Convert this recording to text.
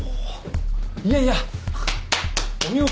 いやいやお見事。